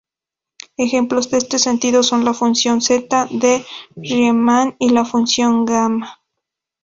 Ejemplos en este sentido son la función zeta de Riemann y la función gamma.